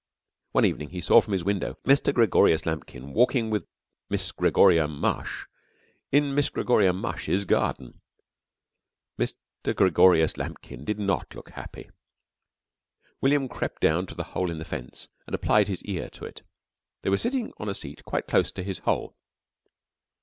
One evening he saw from his window Mr. Gregorius Lambkin walking with Miss Gregoria Mush in Miss Gregoria Mush's garden. Mr. Gregorius Lambkin did not look happy. William crept down to the hole in the fence and applied his ear to it. They were sitting on a seat quite close to his hole.